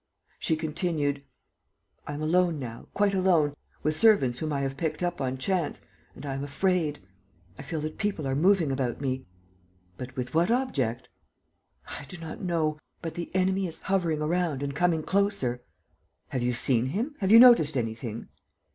She continued: "I am alone now, quite alone, with servants whom I have picked up on chance, and I am afraid. ... I feel that people are moving about me." "But with what object?" "I do not know. But the enemy is hovering around and coming closer." "Have you seen him? Have you noticed anything?"